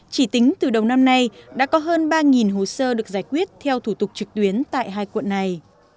chỉ tính từ đầu năm nay đã có hơn ba hồ sơ được giải quyết theo thủ tục trực tuyến tại hai quận này